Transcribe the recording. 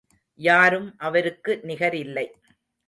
யாரும் அவருக்கு நிகரில்லை.